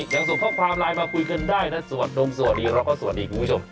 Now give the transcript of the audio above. ส่งข้อความไลน์มาคุยกันได้นะสวัสดีเราก็สวัสดีคุณผู้ชม